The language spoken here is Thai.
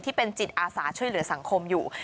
ที่เป็นจิตอาสาช่วยเหลือสังคมอยู่